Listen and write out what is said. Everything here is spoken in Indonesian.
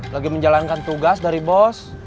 lagi menjalankan tugas dari bos